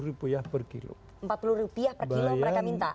empat puluh rupiah per kilo mereka minta